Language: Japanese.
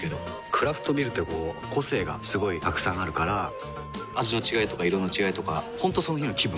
クラフトビールってこう個性がすごいたくさんあるから味の違いとか色の違いとか本当その日の気分。